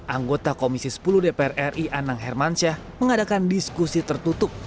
anggota komisi sepuluh dpr ri anang hermansyah mengadakan diskusi tertutup